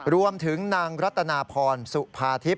รวมถึงนางรัตนาพรสุภาทิพย